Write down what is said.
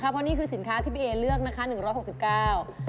เพราะนี่คือสินค้าที่พี่เอเลือกนะคะ๑๖๙บาท